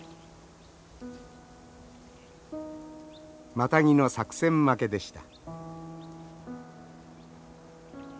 マタギの作戦負けでした。